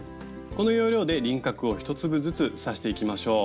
この要領で輪郭を１粒ずつ刺していきましょう。